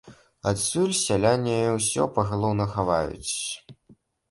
Адсюль сяляне ўсё пагалоўна хаваюць.